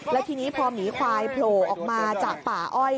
แล้วทีนี้พอหมีควายโผล่ออกมาจากป่าอ้อย